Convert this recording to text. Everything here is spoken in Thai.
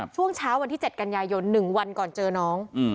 ช่วงเช้าวันที่เจ็ดกันยายนหนึ่งวันก่อนเจอน้อง